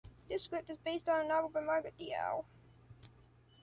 The script is based on a novel by Margaret Diehl.